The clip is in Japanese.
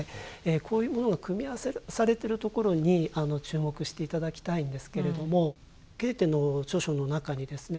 こういうものが組み合わされてるところに注目して頂きたいんですけれどもゲーテの著書の中にですね